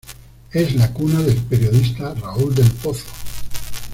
Es la cuna del periodista Raúl del Pozo.